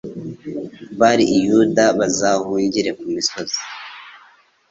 bari i Yudaya bazahungire ku misozi